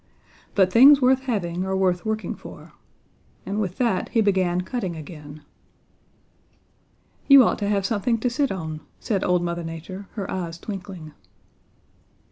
'But things worth having are worth working for,' and with that he began cutting again. "'You ought to have something to sit on,' said Old Mother Nature, her eyes twinkling. "Mr.